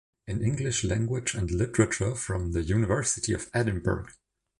In English Language and Literature from the University of Edinburgh.